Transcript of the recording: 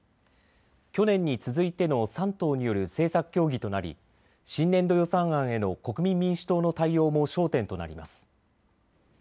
去年に続いての３党による政策協議となり新年度予算案への国民民主党の対応も焦点となります。